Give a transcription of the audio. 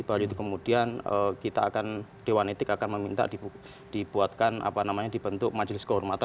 baru itu kemudian kita akan dewan etik akan meminta dibuatkan apa namanya dibentuk majelis kehormatan